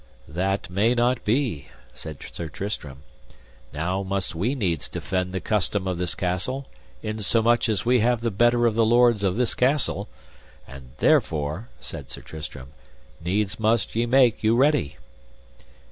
That may not be, said Sir Tristram; now must we needs defend the custom of this castle, insomuch as we have the better of the lords of this castle, and therefore, said Sir Tristram, needs must ye make you ready.